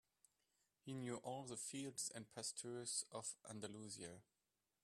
He knew all the fields and pastures of Andalusia.